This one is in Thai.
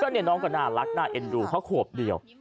นี่น้องก็น่ารักน่าเอ็นดูเขาขวบเดียว